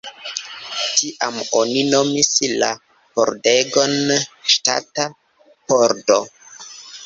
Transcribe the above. Tiam oni nomis la pordegon Ŝtata Pordo.